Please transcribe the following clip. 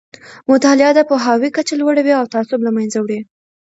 مطالعه د پوهاوي کچه لوړوي او تعصب له منځه وړي.